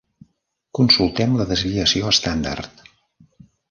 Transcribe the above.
Consultem la desviació estàndard.